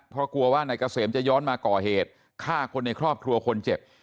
เพราะกลัวว่านายเกษมจะย้อนมาก่อเหตุฆ่าคนในครอบครัวคนเจ็บ